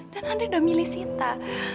dan andres udah milih sita